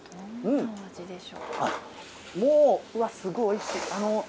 うん、すごいおいしい。